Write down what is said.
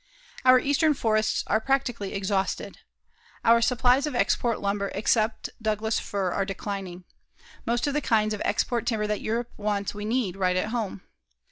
Our eastern forests are practically exhausted. Our supplies of export lumber except Douglas fir are declining. Most of the kinds of export timber that Europe wants we need right at home.